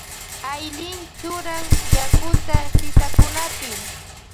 Aylin churan yakuta sisakunapi.